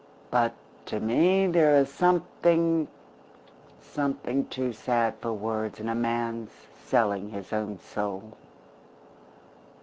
But to me there is something something too sad for words in a man's selling his own soul."